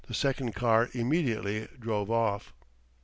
The second car immediately drove off.